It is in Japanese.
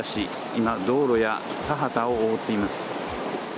今、道路や田畑を覆っています。